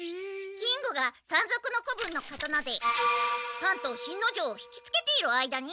金吾が山賊の子分の刀で山東新之丞を引きつけている間に。